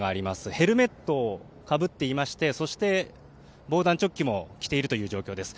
ヘルメットをかぶっていましてそして防弾チョッキも着ているという状況です。